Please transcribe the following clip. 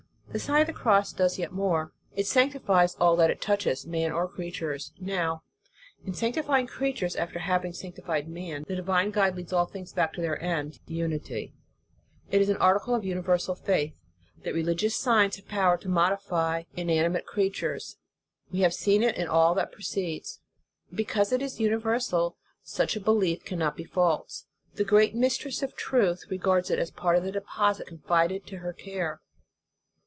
The Sign of the Cross does yet more. It sanctifies all that it touches; man or crea tures. Now, in sanctifying creatures after having sanctified man, the divine guide leads all things back to their end, unity. It is an * Life of St. Fr. Xavicr, t. ii., liv. vi. p. 203 213. In the Nineteenth Century. 289 article of universal faith, that religious signs have power to modify inanimate creatures: we have seen it in all that precedes. Because it is universal, such a belief cannot be false. The great Mistress of truth regards it as part of the deposit confided to her care.